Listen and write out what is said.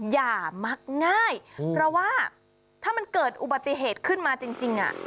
อย่ามักง่ายเพราะว่าถ้ามันเกิดอุบัติเหตุขึ้นมาจริง